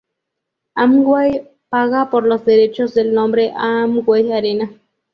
Amway paga por los derechos del nombre a Amway Arena.